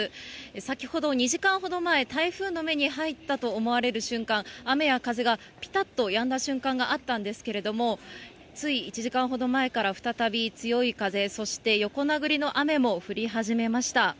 先ほど２時間ほど前、台風の目に入ったと思われる瞬間、雨や風がぴたっとやんだ瞬間があったんですけれども、つい１時間ほど前から、再び強い風、そして横殴りの雨も降り始めました。